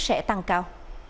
sẽ tăng cao